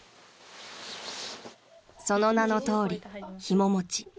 ［その名のとおりひも持ち］